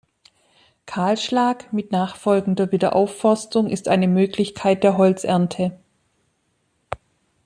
Kahlschlag mit nachfolgender Wiederaufforstung ist eine Möglichkeit der Holzernte.